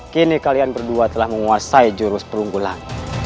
kini kalian berdua telah menguasai jurus perunggulan